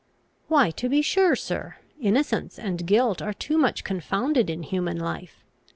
"Why, to be sure, sir, innocence and guilt are too much confounded in human life.